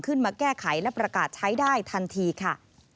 ขึ้นมาแก้ไขและประกาศใช้ได้ทันทีค่ะ